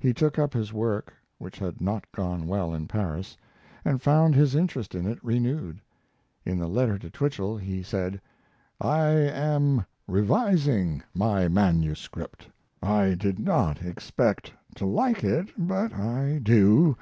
He took up his work, which had not gone well in Paris, and found his interest in it renewed. In the letter to Twichell he said: I am revising my MS. I did not expect to like it, but I do.